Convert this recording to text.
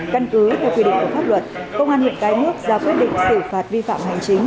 căn cứ theo quy định của pháp luật công an huyện cái nước ra quyết định xử phạt vi phạm hành chính